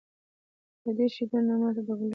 له دې شیدو نه ما ته د کلاب د لاسونو بوی راځي!